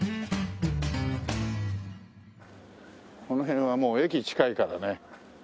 この辺はもう駅近いからね。